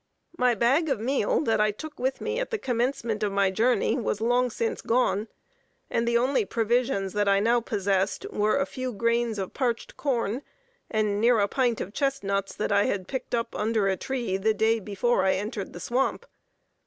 My bag of meal that I took with me at the commencement of my journey was long since gone; and the only provisions that I now possessed were a few grains of parched corn, and near a pint of chestnuts that I had picked up under a tree the day before I entered the swamp.